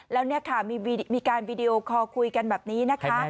แล้วมีการวีดีโอคอร์คุยกันแบบนี้